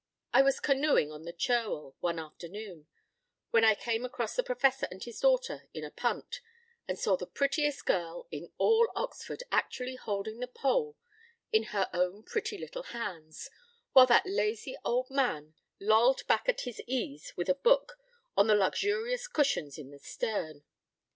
I was canoeing on the Cherwell one afternoon, when I came across the Professor and his daughter in a punt, and saw the prettiest girl in all Oxford actually holding the pole in her own pretty little hands, while that lazy old man lolled back at his ease with a book, on the luxurious cushions in the stern.